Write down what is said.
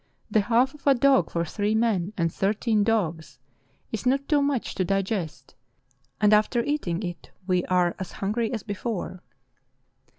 The half of a dog for three men and thirteen dogs is not too much to digest, and after eating it we are as hungry as before."